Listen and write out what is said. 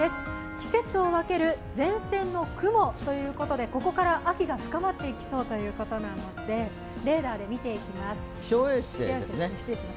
季節を分ける前線の雲ということでここから秋が深まっていきそうということで気象衛星ですね。